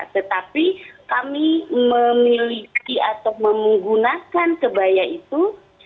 tetapi kami memiliki atau menggunakan kebaya itu